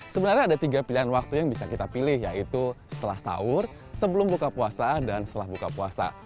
sebenarnya ada tiga pilihan waktu yang bisa kita pilih yaitu setelah sahur sebelum buka puasa dan setelah buka puasa